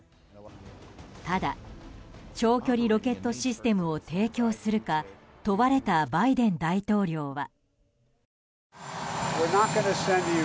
ただ、長距離ロケットシステムを提供するか問われたバイデン大統領は。